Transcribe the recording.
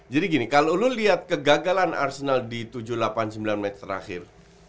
jadi gini kalau lo lihat kegagalan arsenal di tujuh delapan sembilan match terakhir